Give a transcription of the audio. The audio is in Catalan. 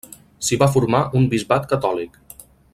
S'hi va formar un bisbat catòlic.